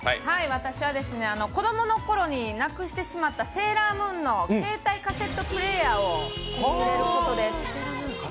私は子供の頃になくしてしまった、セーラームーンの携帯カセットプレーヤーを手に入れることです。